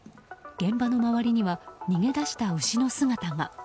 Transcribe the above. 現場の周りには逃げ出した牛の姿が。